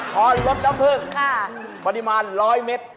ฮอร์รสน้ำพรึงปริมาณ๑๐๐เม็ด